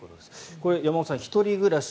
これ、山本さん１人暮らし